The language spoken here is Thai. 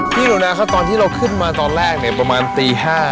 พี่หลู่น้าก็ตอนที่เราขึ้นมาตอนแรกเนี่ยประมาณตีห้า